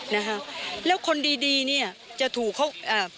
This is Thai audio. นะคะแล้วคนดีดีเนี้ยจะถูกเขาอ่า